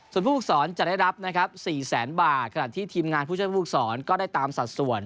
ส่วนผู้ฝึกสอนจะได้รับนะครับ๔แสนบาทขณะที่ทีมงานผู้ช่วยผู้ฝึกศรก็ได้ตามสัดส่วน